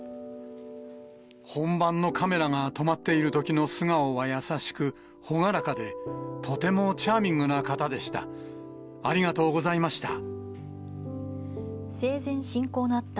本番のカメラが止まっているときの素顔は優しく、朗らかで、とてもチャーミングな方でした。